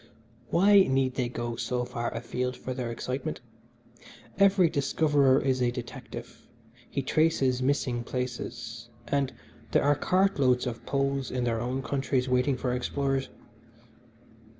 Why need they go so far afield for their excitement? Every discoverer is a detective. He traces missing places, and there are cartloads of Poles in their own countries waiting for explorers.